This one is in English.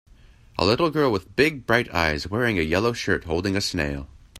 A little girl with big bright eyes wearing a yellow shirt holding a snail.